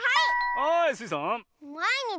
はいスイさん。